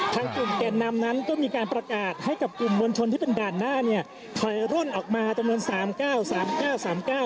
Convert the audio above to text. ทางกลุ่มแก่นนำนั้นก็มีการประกาศให้กับกลุ่มมวลชนที่เป็นด่านหน้าเนี่ยถอยร่นออกมาจำนวนสามเก้าสามเก้าสามเก้า